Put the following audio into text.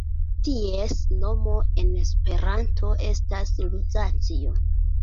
Ties nomo en Esperanto estas Luzacio.